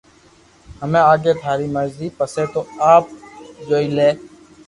ھمي آگي ٿاري مرزي پسي تو آپ جوئي لي